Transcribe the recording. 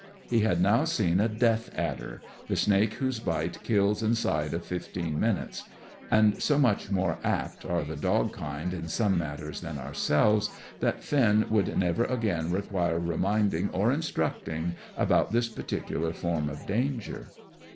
He had now seen a death adder, the snake whose bite kills inside of fifteen minutes; and, so much more apt are the dog kind in some matters than ourselves, that Finn would never again require reminding or instructing about this particular form of danger.